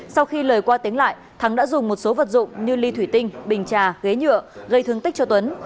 sau khi lời qua tiếng lại thắng đã dùng một số vật dụng như ly thủy tinh bình trà ghế nhựa gây thương tích cho tuấn